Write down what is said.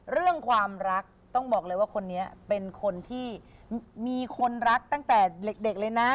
เรื่องความรักต้องบอกเลยว่าคนนี้เป็นคนที่มีคนรักตั้งแต่เด็กเลยนะ